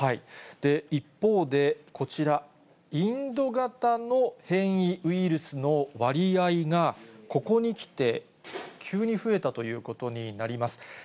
一方でこちら、インド型の変異ウイルスの割合が、ここにきて急に増えたということになります。